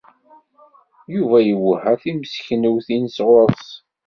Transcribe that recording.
Yuba iwehha timseknewt-nnes ɣur-s.